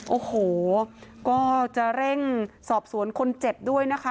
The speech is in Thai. โอ้โหก็จะเร่งสอบสวนคนเจ็บด้วยนะคะ